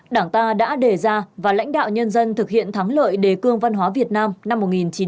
đảng ta đã đề ra và lãnh đạo nhân dân thực hiện thắng lợi đề cương văn hóa việt nam năm một nghìn chín trăm bảy mươi năm